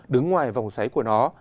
đứng ngoài vòng xoáy của nó